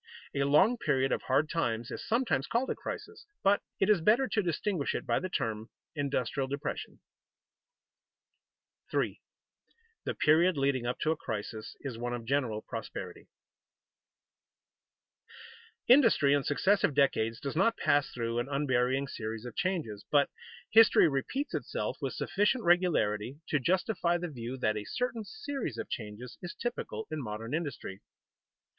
A long period of hard times is sometimes called a crisis, but it is better to distinguish it by the term industrial depression. [Sidenote: Industrial conditions preceding a crisis] 3. The period leading up to a crisis is one of general prosperity. Industry in successive decades does not pass through an unvarying series of changes, but history repeats itself with sufficient regularity to justify the view that a certain series of changes is typical in modern industry.